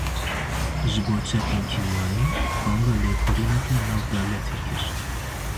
Ji bo çekên kîmyayî banga lêkolîneke navdewletî kir.